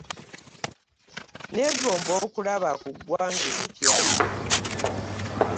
Nneegomba okulaba ku ggwangà eppya.